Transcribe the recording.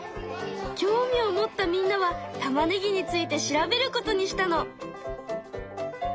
興味を持ったみんなはたまねぎについて調べることにしたの。